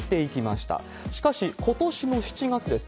しかし、ことしの７月です。